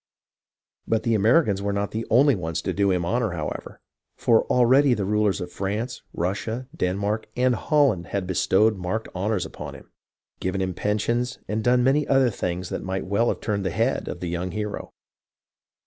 But the Americans were not the only ones to do him honour, however ; for already the rulers of France, Russia, Den mark, and Holland had bestowed marked honours upon him, given him pensions, and done many other things that might well have turned the head of the young hero.